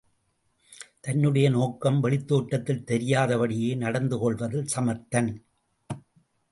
தன்னுடைய நோக்கம் வெளித் தோற்றத்தில் தெரியாதபடியே நடந்து கொள்வதில் சமர்த்தன்.